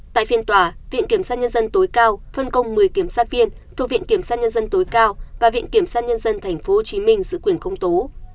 tại phiên tòa viện kiểm sát nhân dân tối cao phân công một mươi kiểm sát viên thuộc viện kiểm sát nhân dân tối cao và viện kiểm sát nhân dân tp hcm giữ quyền công tố